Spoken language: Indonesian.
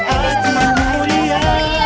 aman pak wb nya